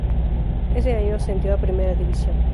Ese año ascendió a Primera División.